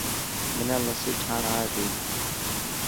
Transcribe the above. منا لسي ٺاهڻ آي تي.